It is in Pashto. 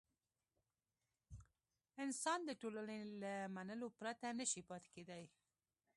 انسان د ټولنې له منلو پرته نه شي پاتې کېدای.